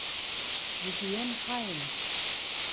Sie gehen heim.